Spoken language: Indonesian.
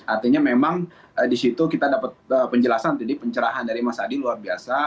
artinya memang di situ kita dapat penjelasan tadi pencerahan dari mas adi luar biasa